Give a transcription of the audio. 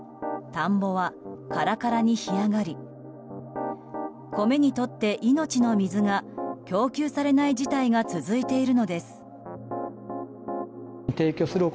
田んぼはカラカラに干上がり米にとって命の水が供給されない事態が続いているのです。